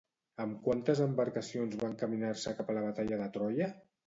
Amb quantes embarcacions va encaminar-se cap a la batalla de Troia?